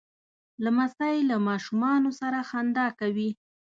لمسی له ماشومانو سره خندا کوي.